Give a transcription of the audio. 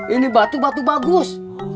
ini batu batu bagus